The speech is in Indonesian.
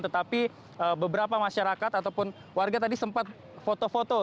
tetapi beberapa masyarakat ataupun warga tadi sempat foto foto